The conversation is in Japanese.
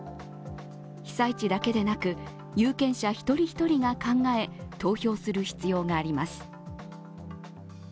被災地だけでなく有権者一人一人が考え投票する必要があります。